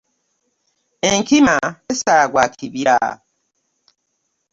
Enkima tesala gwa kibira .